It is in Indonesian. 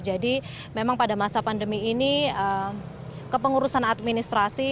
jadi memang pada masa pandemi ini kepengurusan administrasi